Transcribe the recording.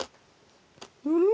うん！